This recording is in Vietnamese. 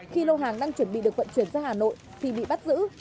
khi lô hàng đang chuẩn bị được vận chuyển ra hà nội thì bị bắt giữ